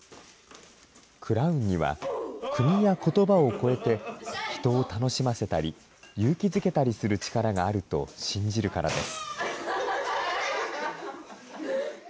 クラウンには、国やことばを超えて、人を楽しませたり、勇気づけたりする力があると信じるからです。